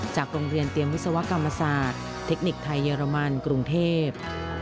จากโรงเรียนเตรียมวิศวกรรมศาสตร์เทคนิคไทยเยอรมันกรุงเทพ